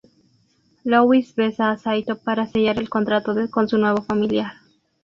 Louise besa a Saito para sellar el contrato con su nuevo familiar.